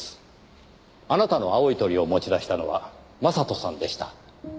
あなたの青い鳥を持ち出したのは将人さんでした。